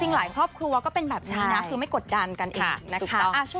ถือว่าก็เป็นแบบนี้นะคือไม่กดดันกันเองนะคะ